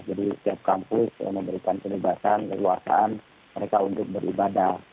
jadi setiap kampus memberikan kebebasan kekuasaan mereka untuk beribadah